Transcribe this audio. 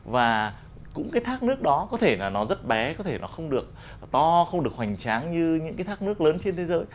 và cũng cái thác nước đó có thể là nó rất bé có thể nó không được to không được hoành tráng như những cái thác nước lớn trên thế giới